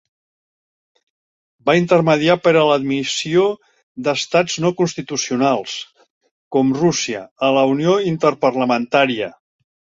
Va intermediar per a l'admissió d'estats no constitucionals, com Rússia, a la Unió Interparlamentària.